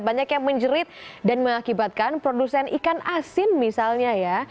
banyak yang menjerit dan mengakibatkan produsen ikan asin misalnya ya